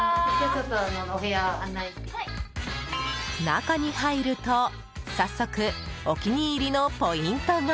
中に入ると早速お気に入りのポイントが。